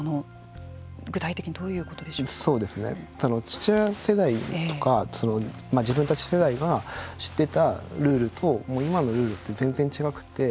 父親世代とか自分たち世代が知ってたルールと今のルールって全然違うくって。